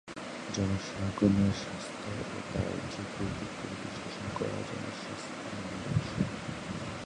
জনগণের স্বাস্থ্য ও তার ঝুঁকির দিকগুলি বিশ্লেষণ করা জনস্বাস্থ্যের মূল বিষয়।